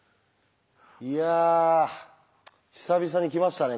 いや久々にきましたね